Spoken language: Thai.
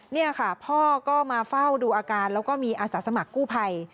นี่ค่ะพ่อก็มาเฝ้าดูอาการแล้วก็มีอาสาสมัครกู้ภัย